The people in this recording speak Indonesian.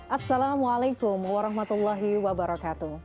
assalamualaikum warahmatullahi wabarakatuh